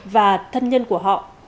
và thân nhân của họ